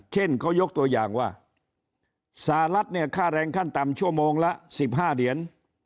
เช่นเขายกตัวอย่างว่าสหรัฐเนี่ยค่าแรงขั้นต่ำชั่วโมงละ๑๕เหรียญ